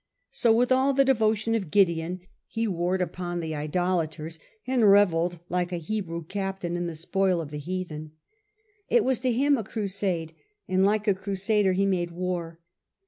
So with all the devotion of Gideon he warred upon the idolaters, and revelled like a Hebrew captain in the spoil of the heathen. It was to him a crusade ; and like a crusader he made war.